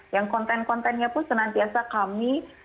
yang konten kontennya pun senantiasa kami